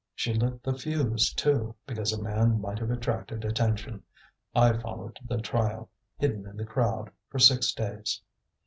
She lit the fuse, too, because a man might have attracted attention. I followed the trial, hidden in the crowd, for six days."